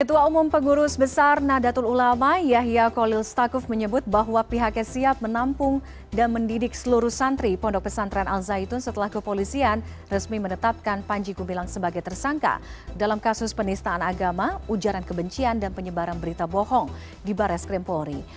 ketua umum pengurus besar nadatul ulama yahya kolil stakuf menyebut bahwa pihaknya siap menampung dan mendidik seluruh santri pondok pesantren al zaitun setelah kepolisian resmi menetapkan panji gumilang sebagai tersangka dalam kasus penistaan agama ujaran kebencian dan penyebaran berita bohong di bares krim polri